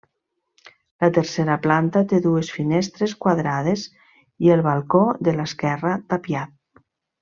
La tercera planta té dues finestres quadrades i el balcó de l'esquerra tapiat.